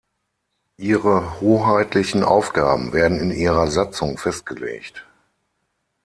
Ihre hoheitlichen Aufgaben werden in ihrer Satzung festgelegt.